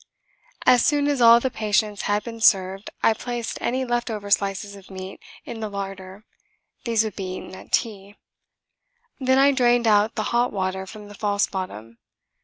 As soon as all the patients had been served I placed any left over slices of meat in the larder: these would be eaten at tea. Then I drained out the hot water from the false bottom.